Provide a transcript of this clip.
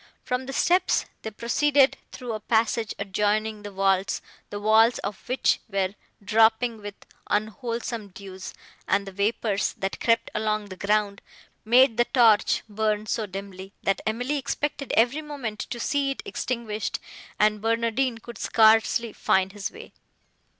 From the steps, they proceeded through a passage, adjoining the vaults, the walls of which were dropping with unwholesome dews, and the vapours, that crept along the ground, made the torch burn so dimly, that Emily expected every moment to see it extinguished, and Barnardine could scarcely find his way.